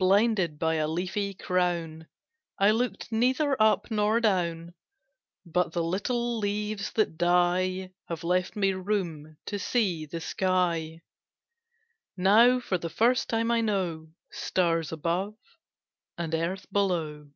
Blinded by a leafy crown I looked neither up nor down But the little leaves that die Have left me room to see the sky; Now for the first time I know Stars above and earth below.